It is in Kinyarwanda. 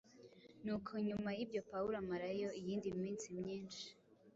Nuko nyuma y’ibyo Pawulo amarayo iyindi minsi myinshi.”